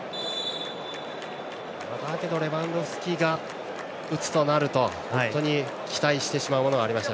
だけどレバンドフスキが打つとなると本当に期待してしまうものがありました。